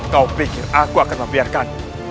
kau pikir aku akan membiarkan